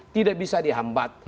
tidak bisa dihambat